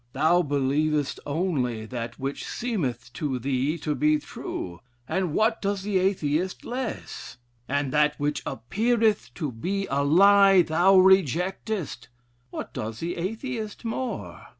Thou believest only that which seemeth to thee to be true; what does the Atheist less? And that which appeareth to be a lie thou rejectest; what does the Atheist more?